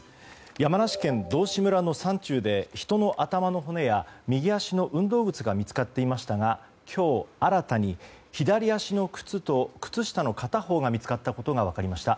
山梨県道志村の山中で人の頭の骨や右足の運動靴が見つかっていましたが今日、新たに左足の靴と靴下の片方が見つかったことが分かりました。